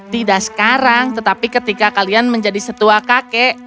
tidak sekarang tetapi ketika kalian menjadi setua kakek